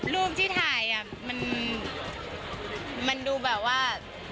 รูปที่ถ่ายมันดูแบบว่า